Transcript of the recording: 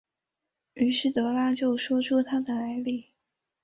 于是德拉就说出他的来历。